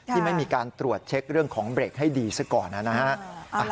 ที่ไม่มีการตรวจเช็คเรื่องของเบรกให้ดีซะก่อนนะฮะ